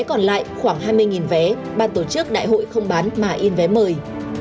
còn lại khoảng hai mươi vé ban tổ chức đại hội không bán mà in vé mời